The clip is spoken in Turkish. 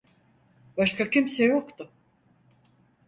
Başka kimse yoktu.